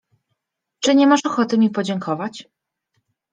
— Czy nie masz ochoty mi podziękować?